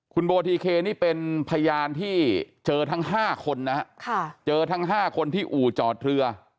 คุณโบทิเคนี่เป็นพยานที่เจอทั้ง๕คนที่อู่จอดเรือ